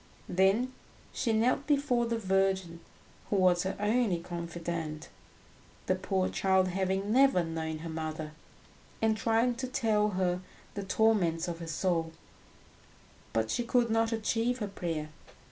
Then she knelt before the Virgin, who was her only confidante, the poor child having never known her mother, and tried to tell her the torments of her soul; but she could not achieve her prayer.